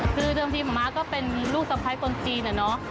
คือเดิมทีหมอม้าก็เป็นลูกสะพ้ายคนจีนอะเนาะ